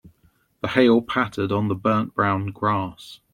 The hail pattered on the burnt brown grass.